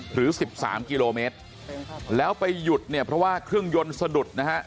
หรือ๑๓กิโลเมตรแล้วไปหยุดเนี่ยเพราะว่าเครื่องยนต์สะดุดนะฮะ